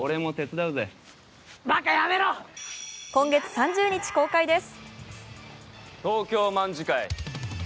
今月３０日公開です。